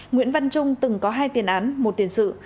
nguyễn văn trung từng có hai tiền án một tiền sự